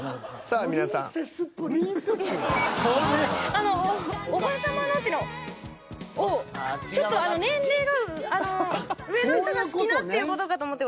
あの「おばさまの」っていうのはちょっと年齢があの上の人が好きなっていう事かと思って。